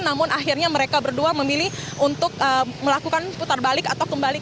namun akhirnya mereka berdua memilih untuk melakukan putar balik atau kembali